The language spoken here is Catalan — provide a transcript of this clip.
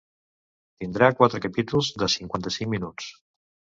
Tindrà quatre capítols de cinquanta-cinc minuts.